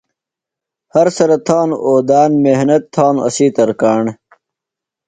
ہر سرہ تھانوۡ اودان، محۡنت تھانوۡ اسی ترکاݨ